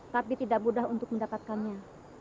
tapi tidak mudah untuk mendapatkannya